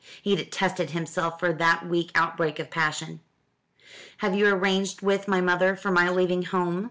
He detested himself for that weak outbreak of passion. "Have you arranged with my mother for my leaving home?"